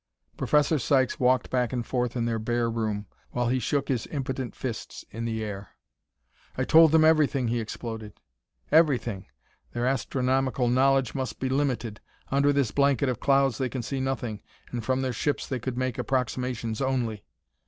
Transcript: Professor Sykes walked back and forth in their bare room while he shook his impotent fists in the air. "I told them everything," he exploded; "everything!" Their astronomical knowledge must be limited; under this blanket of clouds they can see nothing, and from their ships they could make approximations only.